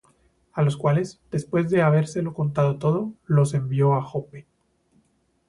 A los cuales, después de habérselo contado todo, los envió á Joppe.